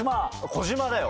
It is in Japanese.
小島だよ！